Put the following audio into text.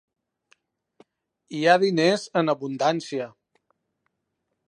Hi ha diners en abundància.